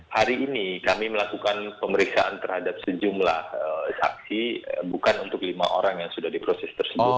hari ini kami melakukan pemeriksaan terhadap sejumlah saksi bukan untuk lima orang yang sudah diproses tersebut